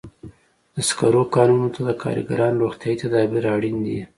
د سکرو کانونو ته د کارګرانو روغتیايي تدابیر اړین دي.